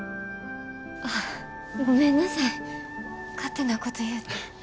ああごめんなさい勝手なこと言うて。